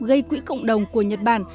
gây quỹ cộng đồng của nhật bản